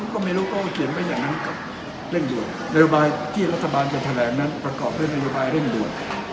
ก็ไม่รู้ก็เขียนไว้อย่างนั้นว่าเร่งโดน